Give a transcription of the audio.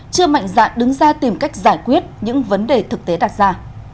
chưa mạnh dạng đứng ra tìm cách giải quyết những vấn đề thực tế đặt ra